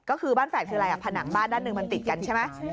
ก็คือบ้านแฝดคืออะไรผนังบ้านด้านหนึ่งมันติดกันใช่ไหม